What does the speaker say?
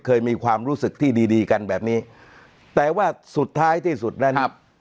เคยมีความรู้สึกที่ดีดีกันแบบนี้แต่ว่าสุดท้ายที่สุดนั้น